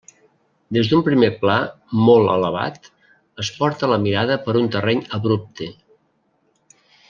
Des d'un primer pla molt elevat es porta la mirada per un terreny abrupte.